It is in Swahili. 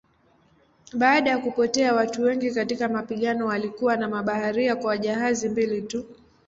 Baada ya kupotea watu wengi katika mapigano walikuwa na mabaharia kwa jahazi mbili tu.